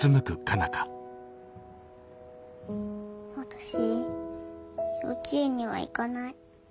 私幼稚園には行かない。